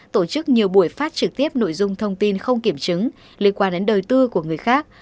tổ chức nhiều buổi phát trực tiếp nội dung thông tin không kiểm chứng liên quan đến đời tư của người khác